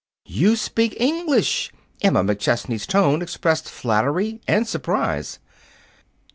"You speak English!" Emma McChesney's tone expressed flattery and surprise.